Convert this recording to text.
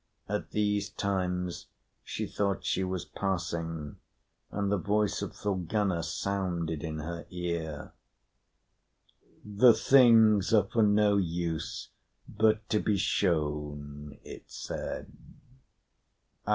At these times, she thought she was passing, and the voice of Thorgunna sounded in her ear: "The things are for no use but to be shown," it said.